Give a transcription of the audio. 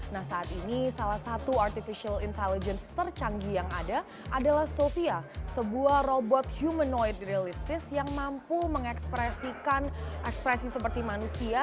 nah saat ini salah satu artificial intelligence tercanggih yang ada adalah sofia sebuah robot humanoid realistis yang mampu mengekspresikan ekspresi seperti manusia